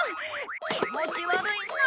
気持ち悪いな！